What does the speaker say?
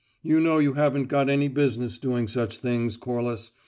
You know you haven't got any business doing such things, Corliss.